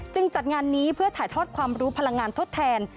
จัดงานนี้เพื่อถ่ายทอดความรู้พลังงานทดแทน